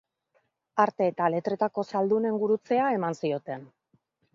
Arte eta Letretako zaldunen gurutzea eman zioten.